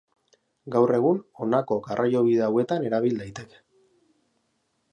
Gaur egun honako garraiobide hauetan erabil daiteke.